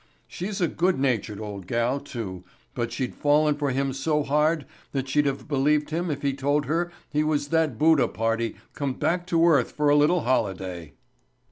She's a good natured old gal, too, but she'd fallen for him so hard that she'd have believed him if he told her he was that Buddha party come back to earth for a little holiday.